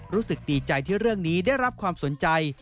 รู้สึกดีใจที่เรื่องนี้ได้รับความสนใจ